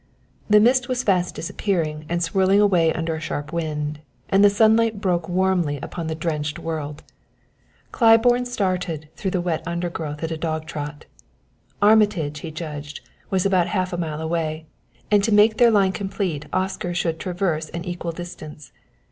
The mist was fast disappearing and swirling away under a sharp wind, and the sunlight broke warmly upon the drenched world. Claiborne started through the wet undergrowth at a dog trot. Armitage, he judged, was about half a mile away, and to make their line complete Oscar should traverse an equal distance.